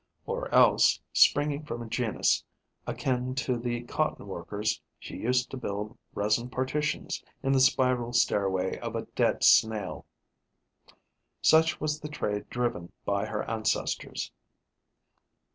Or else, springing from a genus akin to the cotton workers, she used to build resin partitions in the spiral stairway of a dead Snail. Such was the trade driven by her ancestors.